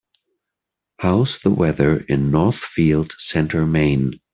how's the weather in Northfield Center Maine